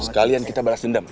sekalian kita balas dendam